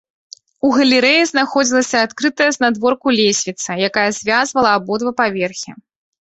У галерэі знаходзілася адкрытая знадворку лесвіца, якая звязвала абодва паверхі.